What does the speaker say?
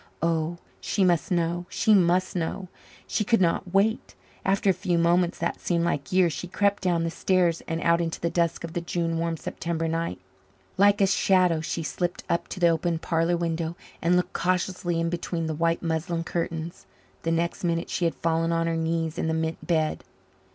Oh, she must know she must know. She could not wait. After a few moments that seemed like years she crept down the stairs and out into the dusk of the June warm September night. Like a shadow she slipped up to the open parlour window and looked cautiously in between the white muslin curtains. The next minute she had fallen on her knees in the mint bed.